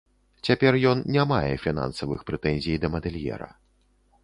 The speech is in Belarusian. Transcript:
Цяпер ён не мае фінансавых прэтэнзій да мадэльера.